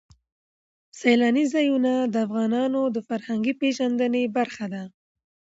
سیلاني ځایونه د افغانانو د فرهنګي پیژندنې برخه ده.